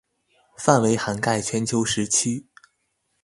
範圍涵蓋全球時區